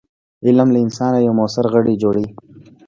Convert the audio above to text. علم له انسانه یو موثر غړی جوړوي.